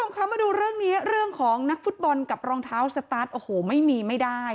มาดูเรื่องนี้เรื่องของนักฟุตบอลกับรองเท้าสตั๊ดโอ้โหไม่มีไม่ได้